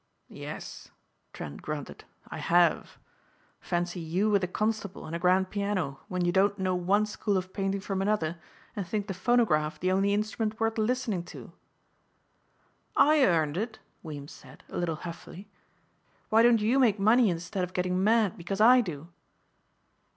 "Yes," Trent grunted, "I have. Fancy you with a Constable and a grand piano when you don't know one school of painting from another and think the phonograph the only instrument worth listening to!" "I earned it," Weems said, a little huffily. "Why don't you make money instead of getting mad because I do?"